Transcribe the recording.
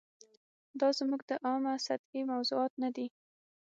دا زموږ د عامه سطحې موضوعات نه دي.